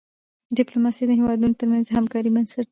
ډيپلوماسي د هېوادونو ترمنځ د همکاری بنسټ دی.